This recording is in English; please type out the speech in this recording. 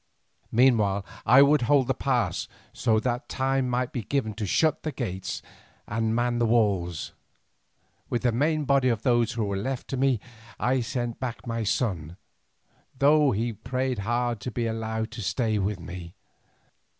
Meanwhile I would hold the pass so that time might be given to shut the gates and man the walls. With the main body of those who were left to me I sent back my son, though he prayed hard to be allowed to stay with me.